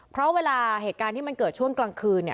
เพราะเวลาเหตุการณ์ที่มันเกิดช่วงกลางคืน